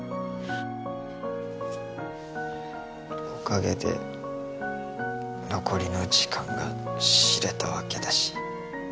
おかげで残りの時間が知れたわけだし。